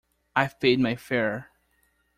I’ve paid my fare.